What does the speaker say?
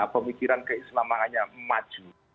pemikiran keislamahannya maju